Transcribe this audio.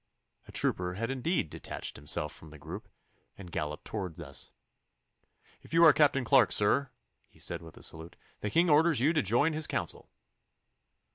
A trooper had indeed detached himself from the group and galloped towards us. 'If you are Captain Clarke, sir,' he said, with a salute, 'the King orders you to join his council.